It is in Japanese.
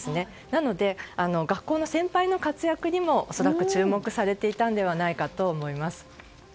なので、学校の先輩の活躍にも恐らく注目されていたのではないかと思います。